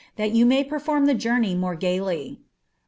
thai you luny perforai the jouroey more gaily."